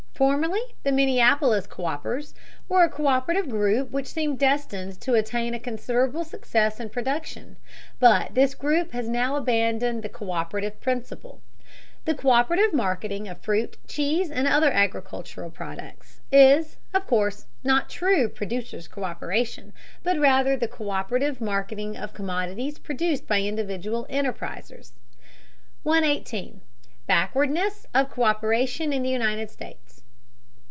Formerly the Minneapolis Co÷pers were a co÷perative group which seemed destined to attain a considerable success in production, but this group has now abandoned the co÷perative principle. The co÷perative marketing of fruit, cheese, and other agricultural products is, of course, not true producers' co÷peration, but rather the co÷perative marketing of commodities produced by individual enterprisers. 118. BACKWARDNESS OF COÍPERATION IN THE UNITED STATES.